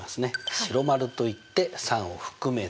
白丸といって３を含めない。